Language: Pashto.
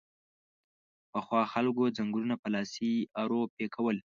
پخوا خلکو ځنګلونه په لاسي ارو پیکول